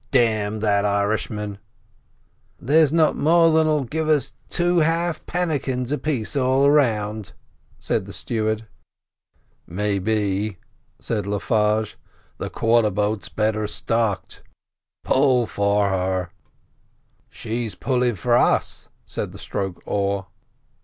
"Damn that Irishman!" "There's not more than'll give us two half pannikins apiece all round," said the steward. "Maybe," said Le Farge, "the quarter boat's better stocked; pull for her." "She's pulling for us," said the stroke oar.